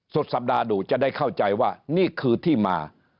สุดสัปดาห์ดูจะได้เข้าใจว่านี่คือที่มา